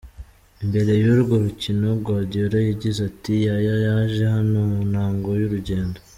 Imbere y'urwo rukino, Guardiola yagize ati: "Yaya yaje hano mu ntango y'urugendo.